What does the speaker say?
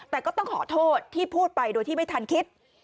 แต่ก็ต้องขอโทษที่พูดไปโดยที่ไม่ทันคิด